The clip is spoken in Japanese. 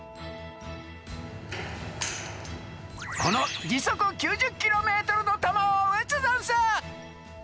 このじそく９０キロメートルのたまをうつざんす！